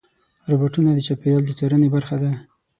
روبوټونه د چاپېریال د څارنې برخه دي.